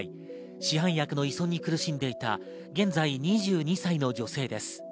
市販薬の依存に苦しんでいた現在２２歳の女性です。